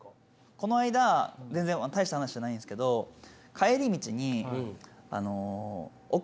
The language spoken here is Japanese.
この間全然大した話じゃないんですけど帰り道にあの「贈る言葉」。